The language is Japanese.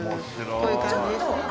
こういう感じですね。